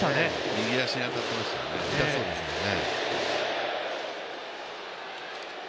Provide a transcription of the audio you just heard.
右足に当たってましたからね、痛そうですね。